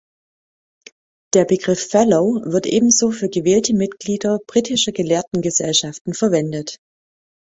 Der Begriff Fellow wird ebenso für gewählte Mitglieder britischer Gelehrtengesellschaften verwendet.